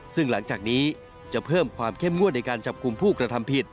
ซึ่งหลังจากนี้จะเพิ่มความเข้มงวดในการจับกลุ่มผู้กระทำผิด